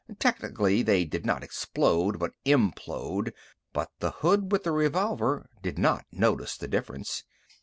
Technically, they did not explode but implode, but the hood with the revolver did not notice the difference.